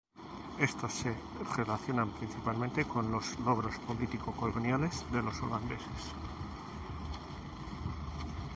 Estos se relacionan principalmente con los logros político-coloniales de los holandeses.